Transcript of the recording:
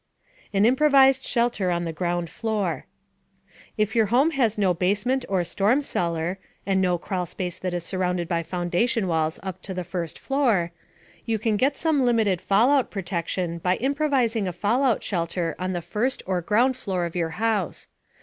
AN IMPROVISED SHELTER ON THE GROUND FLOOR If your home has no basement or storm cellar (and no crawl space that is surrounded by foundation walls up to the first floor), you can get some limited fallout protection by improvising a fallout shelter on the first or ground floor of your house.